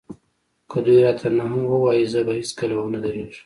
که دوی راته نه هم ووايي زه به هېڅکله ونه درېږم.